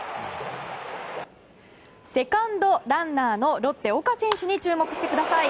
セカンドランナーのロッテ、岡選手に注目してください。